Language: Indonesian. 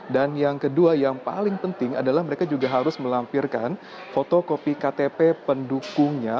dan yang kedua yang paling penting adalah mereka juga harus melampirkan fotokopi ktp pendukungnya